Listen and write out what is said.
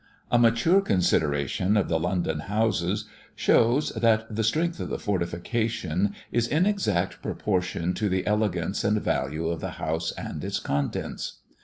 A mature consideration of the London houses shows, that the strength of the fortification is in exact proportion to the elegance and value of the house and its contents.